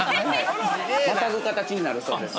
またぐ形になるそうです。